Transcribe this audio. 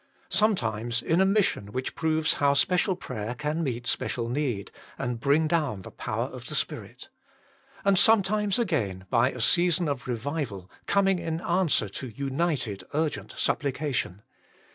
Sometimes in a mission which proves how special prayer can meet special need, and bring down the power of the Spirit. And sometimes again by a season of revival coming in answer to united urgent supplication.